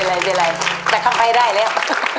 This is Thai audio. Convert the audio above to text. ไม่เป็นไรแต่เขาไปได้แล้ว